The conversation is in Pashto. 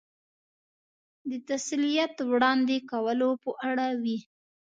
د تسلیت وړاندې کولو په اړه وې.